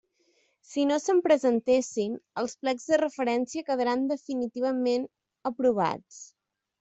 Si no se'n presentessin, els plecs de referència quedaran definitivament aprovats.